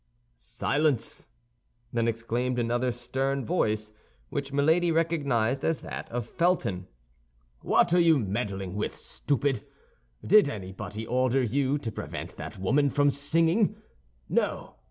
"Silence!" then exclaimed another stern voice which Milady recognized as that of Felton. "What are you meddling with, stupid? Did anybody order you to prevent that woman from singing? No.